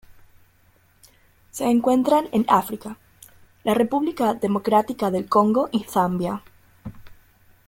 Se encuentran en África: la República Democrática del Congo y Zambia.